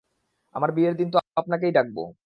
আমার বিয়ের দিন তো আপনাকেই ডাকবো।